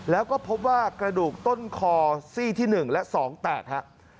แล้วก็พบว่ากระดูกต้นคอซี่ที่๑และ๒แตกฮะ